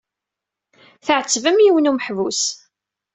Tɛettbem yiwen n umeḥbus.